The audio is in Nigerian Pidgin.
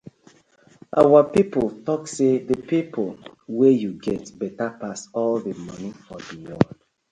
Our pipu tok say dey people wen yu get betta pass all di moni for di world.